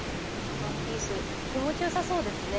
ワンピース気持ちよさそうですね。